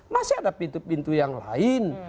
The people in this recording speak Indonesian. masih ada pintu pintu yang lain